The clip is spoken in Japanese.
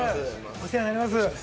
お世話になります。